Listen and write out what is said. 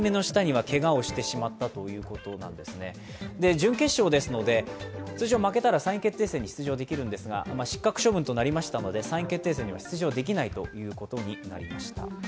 準決勝ですので、通常負けたら３位決定戦に出場できるのですが失格処分となりましたので３位決定戦には出場できないということになりました。